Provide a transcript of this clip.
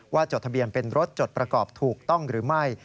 จดทะเบียนเป็นรถจดประกอบถูกต้องหรือไม่